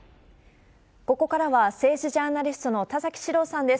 ここからは政治ジャーナリストの田崎史郎さんです。